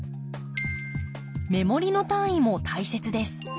目盛りの単位も大切です。